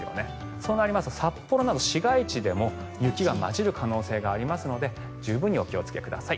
そうなりますと札幌など市街地でも雪が交じる可能性がありますので十分にお気をつけください。